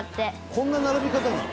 「こんな並び方なの？」